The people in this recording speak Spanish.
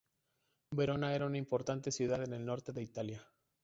Verona era una importante ciudad en el norte de Italia.